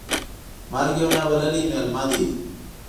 مرګ یو نا بللی میلمه ده .